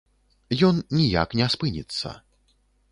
Ён ніяк не спыніцца.